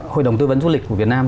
hội đồng tư vấn du lịch của việt nam